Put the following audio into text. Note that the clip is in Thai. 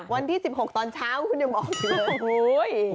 วันที่๑๖ตอนเช้าคุณยังบอกเถอะ